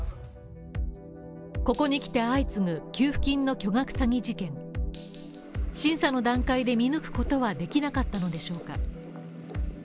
ここにきて相次ぐ給付金の巨額詐欺事件審査の段階で見抜くことはできなかったのでしょうか？